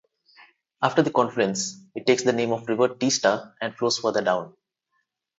After the confluence, it takes the name of River Teesta and flows further down.